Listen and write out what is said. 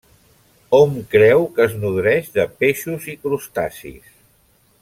Hom creu que es nodreix de peixos i crustacis.